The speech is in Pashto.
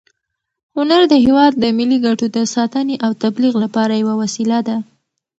هنر د هېواد د ملي ګټو د ساتنې او تبلیغ لپاره یوه وسیله ده.